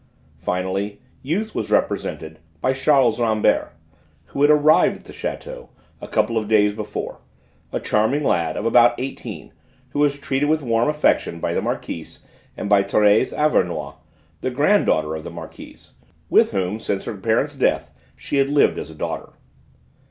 Finally, youth was represented by Charles Rambert, who had arrived at the château a couple of days before, a charming lad of about eighteen who was treated with warm affection by the Marquise and by Thérèse Auvernois, the granddaughter of the Marquise, with whom since her parents' death she had lived as a daughter.